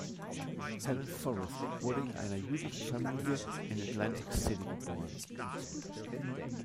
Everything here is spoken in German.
Helen Forrest wurde in einer jüdischen Familie in Atlantic City geboren.